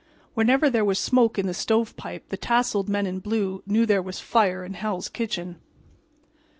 Whenever there was smoke in the "stovepipe" the tasselled men in blue knew there was fire in "Hell's Kitchen."